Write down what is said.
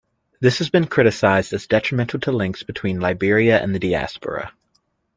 This has been criticised as detrimental to links between the Liberia and the diaspora.